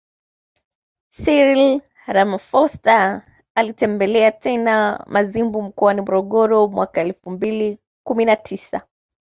Cyril Ramaphosa alitembelea tena Mazimbu mkoani Morogoro mwaka elfu mbili kumi na tisa